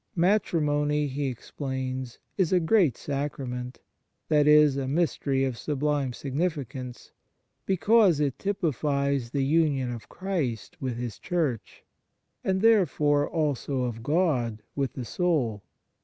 " Matrimony," he explains, " is a great sacrament "that is, a mystery of sub lime significance, because it typifies the union of Christ with His Church, and therefore also of God with the soul.